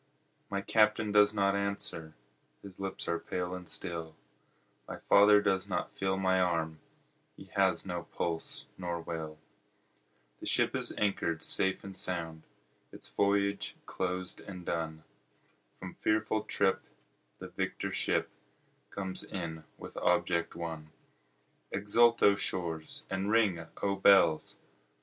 My Captain does not answer, his lips are pale and still, My father does not feel my arm, he has no pulse nor will, The ship is anchor'd safe and sound, its voyage closed and done, From fearful trip the victor ship comes in with object won; Exult O shores and ring O bells!